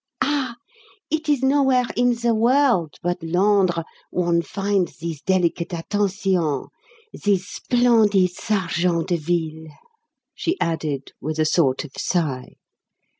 "Ah, it is nowhere in the world but Londres one finds these delicate attentions, these splendid sergeants de ville," she added, with a sort of sigh.